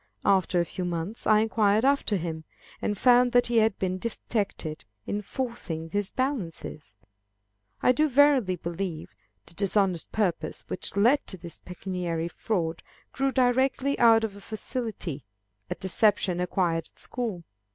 After a few months, I inquired after him, and found that he had been detected in forcing his balances! I do verily believe, the dishonest purpose, which led to this pecuniary fraud, grew directly out of a facility at deception acquired at school.